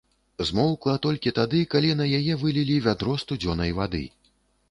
Змоўкла толькі тады, калі на яе вылілі вядро студзёнай вады.